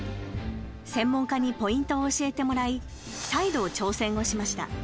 専門家にポイントを教えてもらい再度、挑戦をしました。